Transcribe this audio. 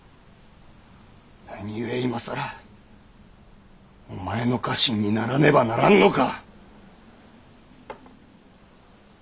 何故今更お前の家臣にならねばならんのか！